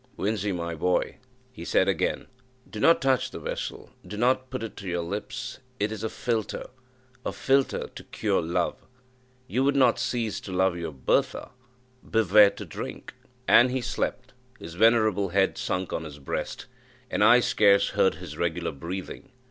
"Winzy, my boy," he again said, "do not touch the vessel do not put it to your lips; it is a philtre a philtre to cure love; you would not cease to love your Bertha beware to drink!" And he slept. His venerable head sunk on his breast, and I scarce heard his regular breathing.